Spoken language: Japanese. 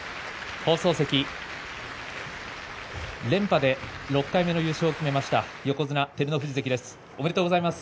連覇で６回目の優勝を決めました横綱照ノ富士関です。